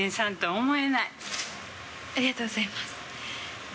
ありがとうございます。